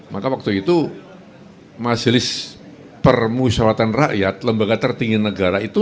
maka waktu itu majelis permusyawatan rakyat lembaga tertinggi negara itu